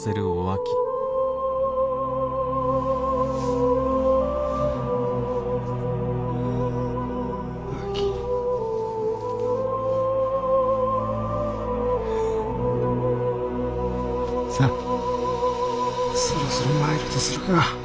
さあそろそろ参るとするか。